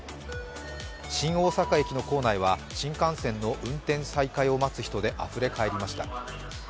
新大阪駅の構内は新幹線の運転再開を待つ人であふれかえりました。